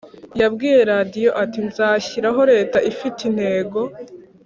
yabwiye radio ati: "nzashyiraho leta ifite intego